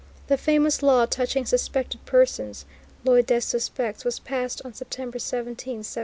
The famous Law touching Suspected Persons (loi des suspects) was passed on September 17, 1793.